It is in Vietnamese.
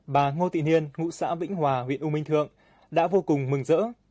bà ngô tị hên ngụ xã vĩnh hòa huyện u minh thượng đã vô cùng mừng rỡ